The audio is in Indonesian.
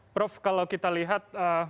prof kalau kita lihat